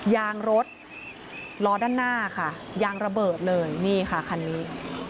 ยางรถล้อด้านหน้าค่ะยางระเบิดเลยนี่ค่ะคันนี้